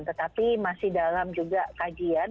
tetapi masih dalam juga kajian